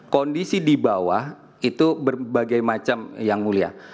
kondisi di bawah itu berbagai macam yang mulia